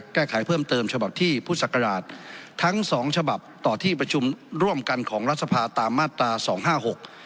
แก้ไขเพิ่มเติมฉบับที่พุทธศักราชทั้งสองฉบับต่อที่ประชุมร่วมกันของรัฐสภาตามมาตราสองห้าหก